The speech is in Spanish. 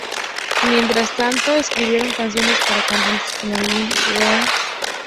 Mientras tanto, escribieron canciones para cantantes como Gigi Leung Wing-Kei.